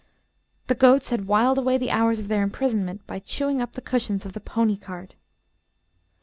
The goats had whiled away the hours of their imprisonment by chewing up the cushions of the pony cart.